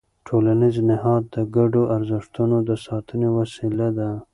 ټولنیز نهاد د ګډو ارزښتونو د ساتنې وسیله ده.